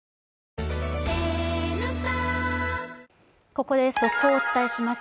ここで速報をお伝えします。